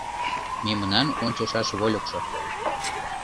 Мемнан ончышаш вольыкшо